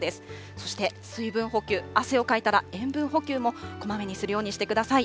そして水分補給、汗をかいたら塩分補給も、こまめにするようにしてください。